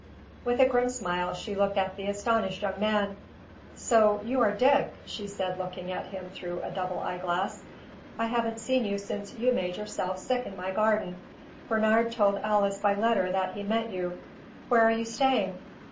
With a grim smile she looked at the astonished young man. "So you are Dick," she said looking at him through a double eyeglass. "I haven't seen you since you made yourself sick in my garden. Bernard told Alice by letter that he met you. Where are you staying?"